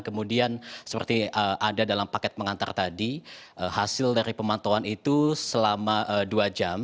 kemudian seperti ada dalam paket pengantar tadi hasil dari pemantauan itu selama dua jam